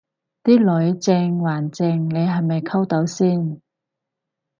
啲女正還正你係咪溝到先